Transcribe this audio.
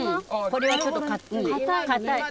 これはちょっと固い。